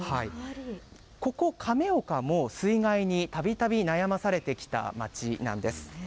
ここ、亀岡も、水害にたびたび悩まされてきた街なんです。